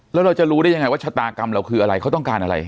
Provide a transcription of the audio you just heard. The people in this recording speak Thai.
แล้วเราจะรู้ได้ยังไงว่าชะตากรรมเราคืออะไรเขาต้องการอะไร